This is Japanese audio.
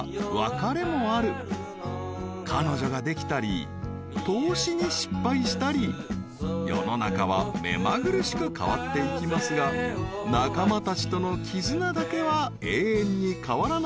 ［彼女ができたり投資に失敗したり世の中はめまぐるしく変わっていきますが仲間たちとの絆だけは永遠に変わらないことを祈って］